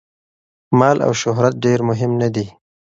مال او شهرت ډېر مهم نه دي.